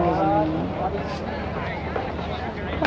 สวัสดีค่ะ